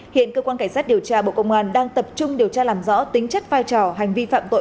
hiện cơ quan cảnh sát điều tra bộ công an đang tập trung điều tra làm rõ tính chất vai trò hành vi phạm tội